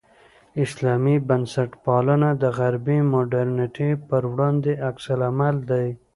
اسلامي بنسټپالنه د غربي مډرنیتې پر وړاندې عکس العمل دی.